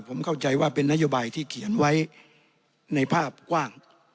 ผมเข้าใจว่าเป็นนโยบายที่เขียนไว้ในภาพกว้าง